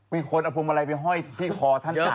มีคนเอาพรุมอะไรไปห้อยที่คอท่านสัก